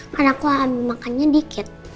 kan aku makannya dikit